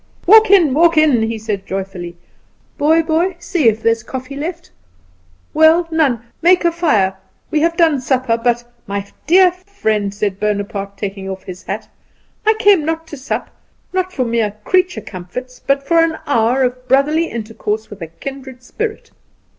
"Walk in, walk in," he said joyfully. "Boy, boy, see if there is any coffee left. Well, none. Make a fire. We have done supper, but " "My dear friend," said Bonaparte, taking off his hat, "I came not to sup, not for mere creature comforts, but for an hour of brotherly intercourse with a kindred spirit.